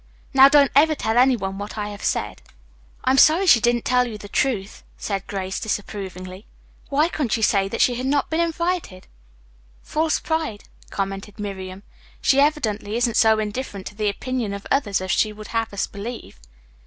Now, don't ever tell any one what I have said." "I'm sorry she didn't tell the truth," said Grace disapprovingly. "Why couldn't she say that she had not been invited?" "False pride," commented Miriam. "She evidently isn't so indifferent to the opinion of others as she would have us believe."